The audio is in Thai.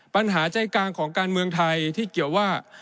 ปัญหาใจกลางของการเมืองไทยที่เกี่ยวว่า